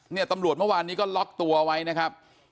เนี่ยตำรวจเมื่อวานนี้ก็ล็อกตัวไว้นะครับ